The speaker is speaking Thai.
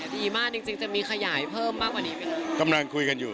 ดีมากจริงจะมีขยายเพิ่มมากกว่านี้ไหมครับ